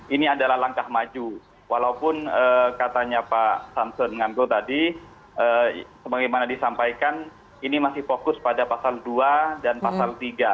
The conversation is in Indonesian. ini adalah langkah maju walaupun katanya pak samsun nganggo tadi sebagaimana disampaikan ini masih fokus pada pasal dua dan pasal tiga